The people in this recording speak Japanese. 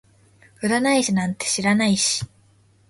占い師なんて知らないし